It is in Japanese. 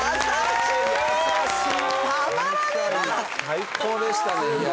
最高でしたねいや。